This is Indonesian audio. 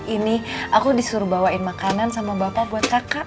ini aku disuruh bawain makanan sama bapak buat kakak